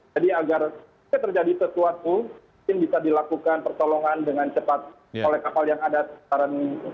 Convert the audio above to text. jadi agar tidak terjadi sesuatu mungkin bisa dilakukan pertolongan dengan cepat oleh kapal yang ada sekarang ini